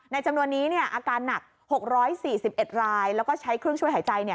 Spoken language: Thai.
ในจำนวนนี้เนี่ยอาการหนักหกร้อยสี่สิบเอ็ดรายแล้วก็ใช้เครื่องช่วยหายใจเนี่ย